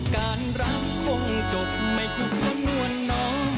การรักมงจบไม่อยู่กับนวลน้อง